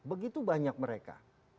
begitu banyak mereka